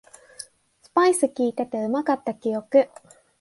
スパイスきいててうまかった記憶